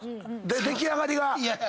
出来上がりが。